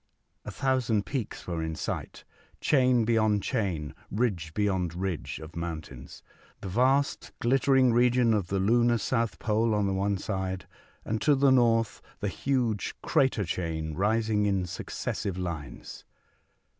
A thousand peaks were in sight, chain beyond chain, ridge beyond ridge, of mountains ;— the vast, ghttering region of the lunar South Pole on the one side, and to the north the huge crater chain rising in successive lines.